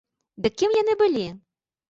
Дык кім яны былі?